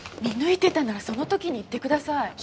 見抜いてたならその時に言ってください。